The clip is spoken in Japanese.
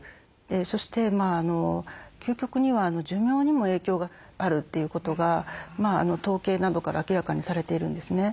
そして究極には寿命にも影響があるということが統計などから明らかにされているんですね。